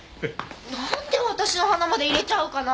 なんで私の花まで入れちゃうかな？